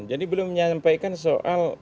jadi beliau menyampaikan soal